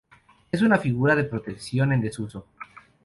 Es una figura de protección en desuso.